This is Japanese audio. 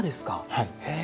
はい。